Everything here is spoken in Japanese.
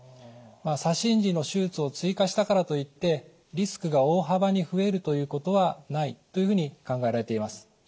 左心耳の手術を追加したからといってリスクが大幅に増えるということはないというふうに考えられています。